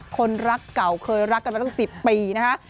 คนรักเก่าเคยรักกันมาตั้ง๑๐ปีนะฮะ